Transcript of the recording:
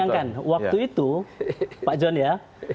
bayangkan waktu itu pak john ya